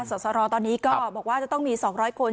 สสรตอนนี้ก็บอกว่าจะต้องมี๒๐๐คน